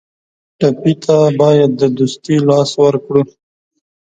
ټپي ته باید د دوستۍ لاس ورکړو.